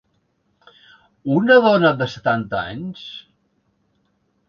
Una dona de setanta anys?